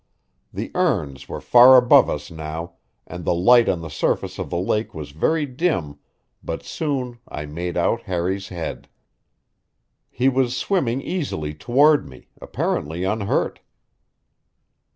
The urns were far above us now, and the light on the surface of the lake was very dim, but soon I made out Harry's head. He was swimming easily toward me, apparently unhurt.